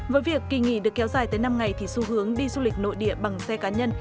với việc kỳ nghỉ được kéo dài tới năm ngày thì xu hướng đi du lịch nội địa bằng xe cá nhân